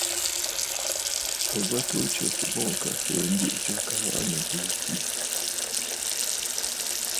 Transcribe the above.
Ò bə tuu tsɛ̀sə̀ boŋ ò ka fèe njɨ̀ʼɨ̀ jya kaa waʼà nɨ̂ àbìì tswə̂.